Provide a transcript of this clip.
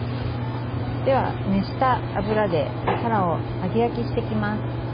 では、熱した油でたらを揚げ焼きしていきます。